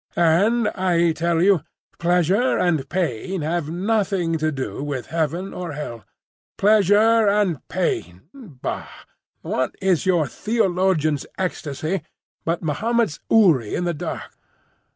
And I tell you, pleasure and pain have nothing to do with heaven or hell. Pleasure and pain—bah! What is your theologian's ecstasy but Mahomet's houri in the dark?